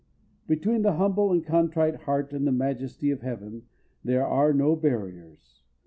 Between the humble and contrite heart and the Majesty of heaven there are no barriers.